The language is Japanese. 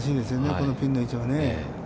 このピンの位置はね。